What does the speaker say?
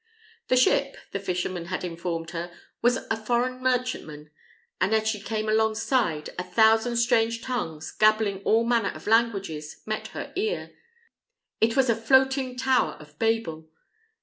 The ship, the fisherman had informed her, was a foreign merchantman; and as she came alongside, a thousand strange tongues, gabbling all manner of languages, met her ear. It was a floating tower of Babel.